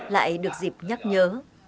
lại được dịp nhắc nhớ